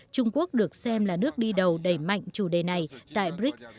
trung quốc được xem là nước đi đầu đẩy mạnh chủ đề này tại brics